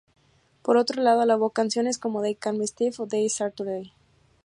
Por otro lado, alabó canciones como "They Call Me Steve" o "Dead Saturday".